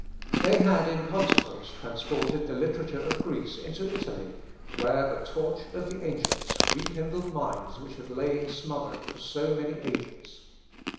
They had, in consequence, transported the literature of Greece into Italy, where the torch of the ancients rekindled minds which had lain smothered for so many ages.